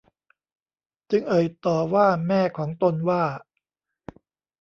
จึงเอ่ยต่อว่าแม่ของตนว่า